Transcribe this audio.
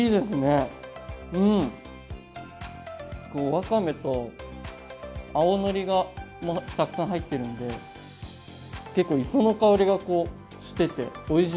わかめと青のりがたくさん入ってるので結構磯の香りがしてておいしい！